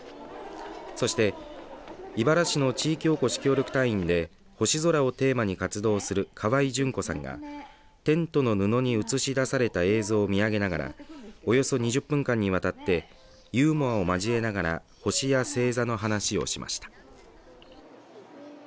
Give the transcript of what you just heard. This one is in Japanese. そして井原市の地域おこし協力隊員で星空をテーマに活動する河合準子さんがテントの布に映し出された映像を見上げながらおよそ２０分間にわたってユーモアを交えながら星や星座の話をしました。